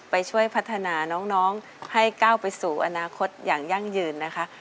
ไปช่วยพัฒนาน้องให้ก้าวไปสู่อนาคตอย่างยั่งยืนนะคะ